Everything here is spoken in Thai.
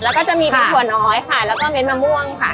แล้วก็จะมีหัวน้อยค่ะแล้วก็เม็ดมะม่วงค่ะ